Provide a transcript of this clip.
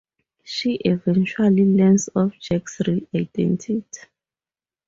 She eventually learns of Jack's real identity.